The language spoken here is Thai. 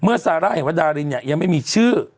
เมื่อซาร่าเห็นว่าดารินยังไม่มีชื่อ